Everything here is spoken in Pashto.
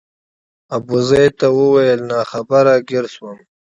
ابوزید ته وویل ناخبره ګیر شوم.